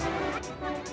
lihat ikan itu